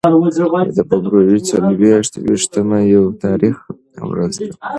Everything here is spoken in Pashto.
د فبرورۍ څلور ویشتمه یوه تاریخي ورځ ده.